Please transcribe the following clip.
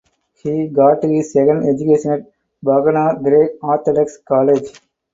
He got his second education at Phanar Greek Orthodox College.